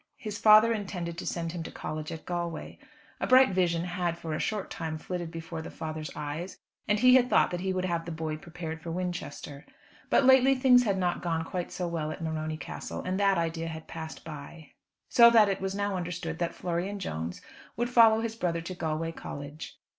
His father intended to send him to college at Galway. A bright vision had for a short time flitted before the father's eyes, and he had thought that he would have the boy prepared for Winchester; but lately things had not gone quite so well at Morony Castle, and that idea had passed by. So that it was now understood that Florian Jones would follow his brother to Galway College.